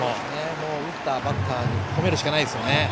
打ったバッターを褒めるしかないですね。